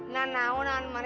nah nah oh nah mana aja dia